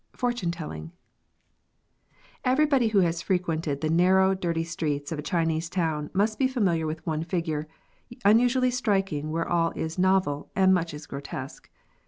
FORTUNE TELLING, Everybody wto has frequented tlie narrow, dirty streets of a Chinese town must be familiar with one figure, unusually striking where all is novel and much is grotesque.